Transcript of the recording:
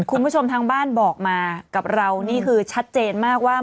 คุณผู้ชมทางบ้านบอกมากับเรานี่คือชัดเจนมากว่า